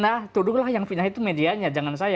nah tuduh lah yang fitnah itu medianya jangan saya